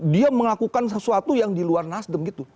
dia melakukan sesuatu yang di luar nasdem gitu